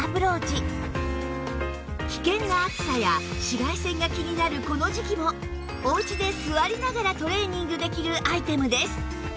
危険な暑さや紫外線が気になるこの時期もおうちで座りながらトレーニングできるアイテムです